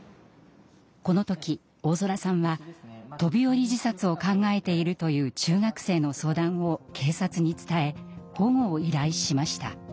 この時大空さんは飛び降り自殺を考えているという中学生の相談を警察に伝え保護を依頼しました。